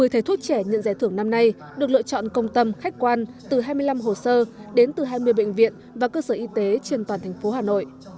một mươi thầy thuốc trẻ nhận giải thưởng năm nay được lựa chọn công tâm khách quan từ hai mươi năm hồ sơ đến từ hai mươi bệnh viện và cơ sở y tế trên toàn thành phố hà nội